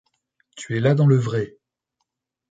Tu es là dans le vrai.